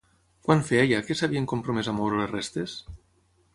Quan feia ja que s'havien compromès a moure les restes?